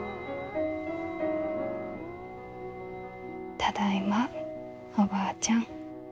ただいまおばあちゃん。